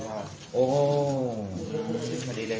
กล้องไม่ได้ครับ